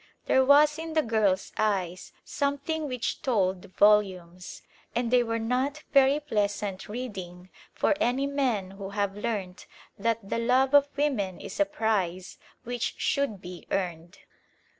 There was in the girl's eyes something which told volumes, and they were not very pleasant reading for any men who have learnt that the love of women is a prize which should be earned.